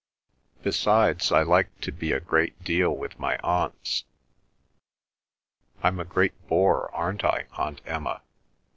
Besides I like to be a great deal with my Aunts—I'm a great bore, aren't I, Aunt Emma?"